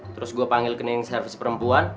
terus gua panggil ke neng servis perempuan